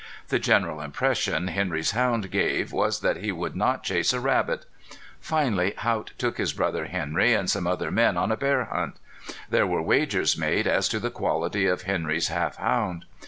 The general impression Henry's hound gave was that he would not chase a rabbit. Finally Haught took his brother Henry and some other men on a bear hunt. There were wagers made as to the quality of Henry's half hound.